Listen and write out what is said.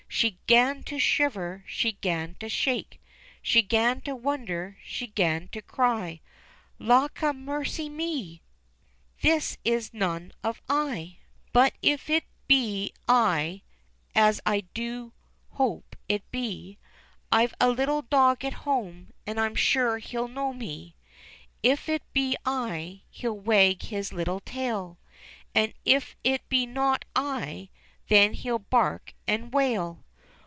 She *gan to shiver, she 'gan to shake ; She *gan to wonder, she 'gan to cry — "Lawkamercyme ! this is none of I !" 331 332 ENGLISH FAIRY TALES "But if it be I, as I do hope it be, I've a little dog at home, and sure he'll know me ; If it be I, he'll wag his little tail, And if it be not I, then he'll bark and wail."